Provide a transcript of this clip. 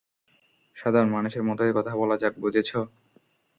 সাধারণ মানুষের মতোই কথা বলা যাক, বুঝেছো?